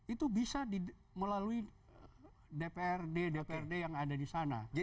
itu bisa melalui dprd dprd yang ada di sana